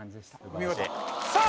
お見事さあ